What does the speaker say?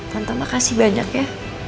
tante makasih banyak ya